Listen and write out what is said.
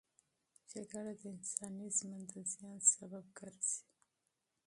جګړه د انساني ژوند د زیان سبب ګرځي.